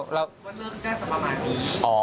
คุณแล้วเลิกแจ้งขนาดนี้